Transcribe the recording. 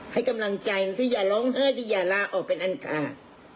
ให้กำลังใจอย่าร้องไห้อย่าลาออกเป็นอันการ